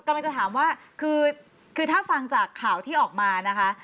กำลังจะถามว่าคือถ้าฟังจากข่าวที่ออกมานะคะ